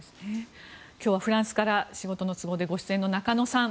今日はフランスから仕事の都合でご出演の中野さん。